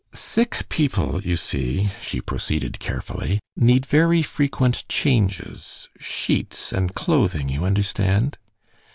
"Sick people, you see," she proceeded carefully, "need very frequent changes sheets and clothing, you understand."